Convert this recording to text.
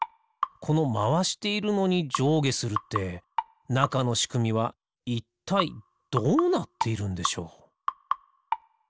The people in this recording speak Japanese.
このまわしているのにじょうげするってなかのしくみはいったいどうなっているんでしょう？